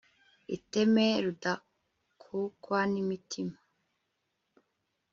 iteme Rudakukwa nimitima